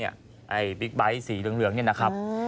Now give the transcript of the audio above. ไอ้บิ๊กไบท์สีเหลืองนี่นะครับ